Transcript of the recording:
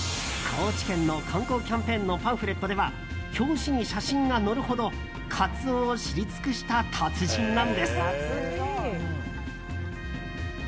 高知県の観光キャンペーンのパンフレットでは表紙に写真が載るほどカツオを知り尽くした達人なんです。